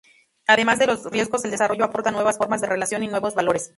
Además de los riesgos, el desarrollo aporta nuevas formas de relación y nuevos valores.